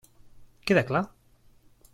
Queda clar?